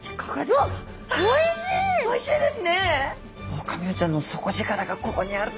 うわっおいしいですね。